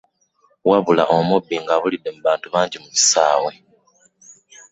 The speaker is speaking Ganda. Wabula omubbi ng'abulidde mu bantu abangi abaali ku kisaawe.